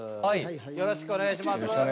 よろしくお願いします。